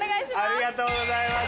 ありがとうございます。